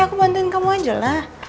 aku bantuin kamu aja lah